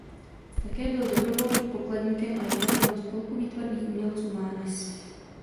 Také byl dobrovolným pokladníkem a jednatelem Spolku výtvarných umělců Mánes.